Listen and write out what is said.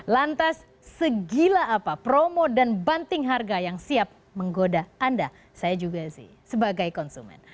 lantas segila apa promo dan banting harga yang siap menggoda anda saya juga sih sebagai konsumen